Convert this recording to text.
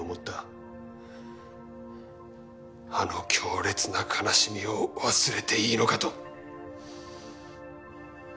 あの強烈な悲しみを忘れていいのかと。